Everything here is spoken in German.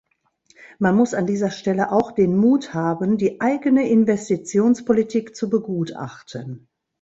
Man muss an dieser Stelle auch den Mut haben, die eigene Investitionspolitik zu begutachten.